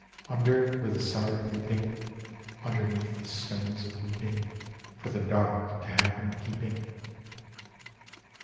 (_Under, with the sorry reaping! Underneath the stones of weeping, For the Dark to have in keeping.